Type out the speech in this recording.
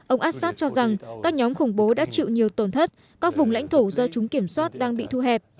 ông assad cho rằng các nhóm khủng bố đã chịu nhiều tổn thất các vùng lãnh thổ do chúng kiểm soát đang bị thu hẹp